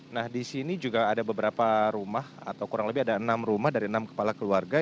nah di sini juga ada beberapa rumah atau kurang lebih ada enam rumah dari enam kepala keluarga